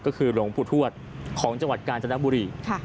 ก็คือหลวงปู่ทวดของจังหวัดกาญจนบุรี